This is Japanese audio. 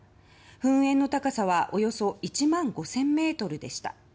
噴煙の高さはおよそ１万５０００ｍでした。